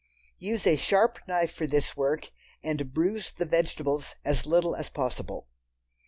Use a sharp knife for this work and bruise the vegetables as little as possible.